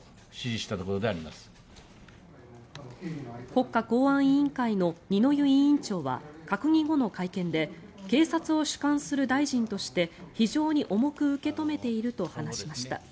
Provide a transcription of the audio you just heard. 国家公安委員会の二之湯委員長は閣議後の会見で警察を主管する大臣として非常に重く受け止めていると話しました。